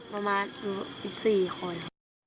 ประมาณ๑๔คน